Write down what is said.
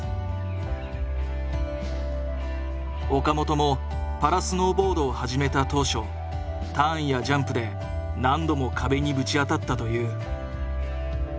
岡本もパラスノーボードを始めた当初ターンやジャンプで何度も壁にぶち当たったという。